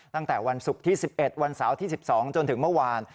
ตั้งแต่วันศุกร์ที่๑๑วันเสาร์ที่๑๒จนถึงเมื่อวาน